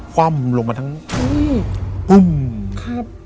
คว่ำลงมาทั้งนี้